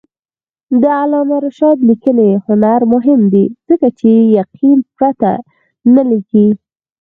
د علامه رشاد لیکنی هنر مهم دی ځکه چې یقین پرته نه لیکي.